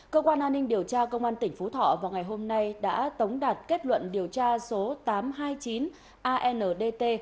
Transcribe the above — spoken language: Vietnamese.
cơ quan an ninh điều tra công an tỉnh phú thọ vào ngày hôm nay đã tống đạt kết luận điều tra số tám trăm hai mươi chín andtt